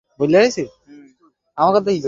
খুবই সূক্ষ চাল চেলেছে আমার ভাতিজা।